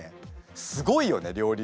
すごいよね料理人も。